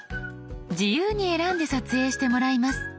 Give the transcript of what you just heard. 自由に選んで撮影してもらいます。